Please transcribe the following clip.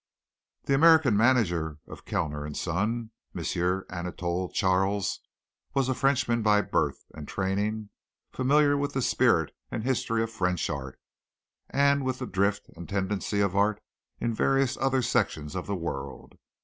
The American manager of Kellner and Son, M. Anatole Charles, was a Frenchman by birth and training, familiar with the spirit and history of French art, and with the drift and tendency of art in various other sections of the world.